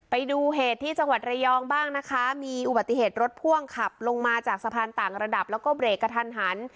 ไปดูเหตุที่จังหวัดระยองบ้างนะคะมีอุบัติเหตุรถพ่วงขับลงมาจากสะพานต่างระดับแล้วก็เบรกกระทันหัน